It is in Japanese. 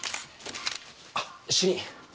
あっ主任。